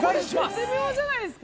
これ絶妙じゃないですか？